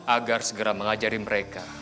agar segera mengajari mereka